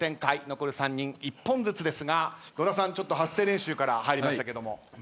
残る３人１本ずつですが野田さん発声練習から入りましたけども。